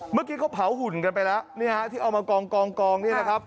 เมื่อกี้เขาเผาหุ่นกันไปแล้วนี่ฮะที่เอามากองเนี่ยนะครับ